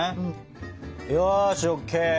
よしＯＫ。